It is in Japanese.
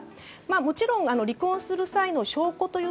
もちろん離婚する際の証拠という